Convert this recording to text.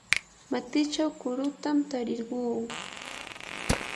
matichaw kurutam tarirquu.